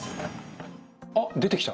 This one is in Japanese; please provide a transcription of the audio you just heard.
あっ出てきた。